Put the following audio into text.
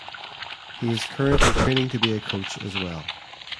He is currently training to be a coach as well.